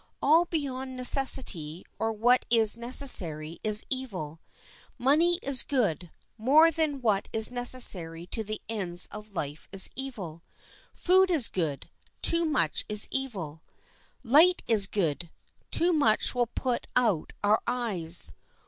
All beyond necessity, or what is necessary, is evil. Money is good; more than what is necessary to the ends of life is evil. Food is good; too much is evil. Light is good; too much will put out our eyes.